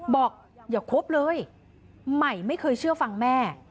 บอกอย่าคบเลยใหม่ไม่เคยเชื่อฟังแม่